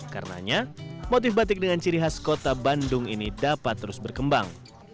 karenanya motif batik dengan ciri khas kota bandung ini dapat terus berkembang